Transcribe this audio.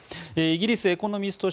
イギリス「エコノミスト」